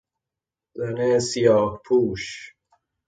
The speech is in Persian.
زن سیاهپوش